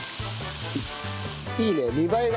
いいねえ見栄えが。